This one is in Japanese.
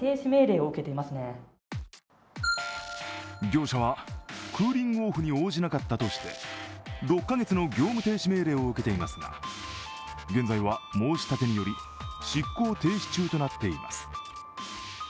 業者はクーリングオフに応じなかったとして６カ月の業務停止命令を受けていますが現在は申し立てにより執行停止中となっています。